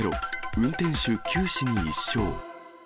運転手九死に一生。